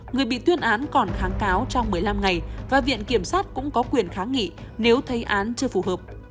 người bị tuyên án còn kháng cáo trong một mươi năm ngày và viện kiểm sát cũng có quyền kháng nghị nếu thay án chưa phù hợp